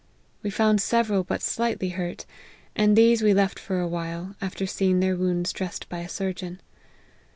We found several but slightly hurt ; and these we left for a while, after seeing their wounds dressed by a surgeon.